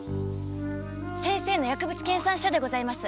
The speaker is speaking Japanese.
先生の薬物研鑽所でございます。